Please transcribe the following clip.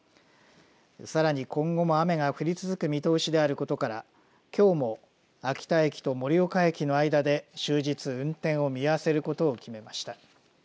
さらに、今後も雨が降り続く見通しであることからきょうも秋田駅と盛岡駅の間で終日、運転を見合わせることを決めました。